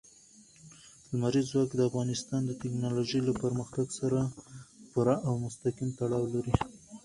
لمریز ځواک د افغانستان د تکنالوژۍ له پرمختګ سره پوره او مستقیم تړاو لري.